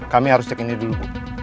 kami harus cek ini dulu